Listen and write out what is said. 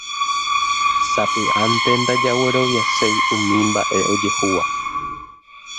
Sapy'ánte ndajagueroviaséi umi mba'e ojehúva